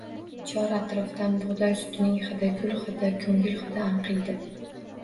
Chor atrofdan bug`doy sutining hidi, gul hidi, ko`ngil hidi anqiydi